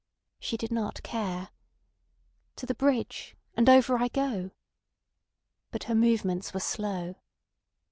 She did not care. "To the bridge—and over I go." ... But her movements were slow.